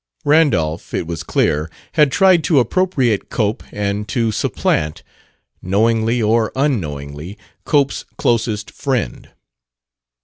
Randolph, it was clear, had tried to appropriate Cope and to supplant (knowingly or unknowingly) Cope's closest friend.